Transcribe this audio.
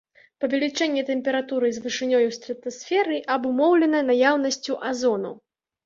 Павелічэнне тэмпературы з вышынёй у стратасферы абумоўлена наяўнасцю азону.